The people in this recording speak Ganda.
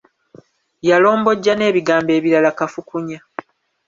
Yalombojja n'ebigambo ebirala kafukunya.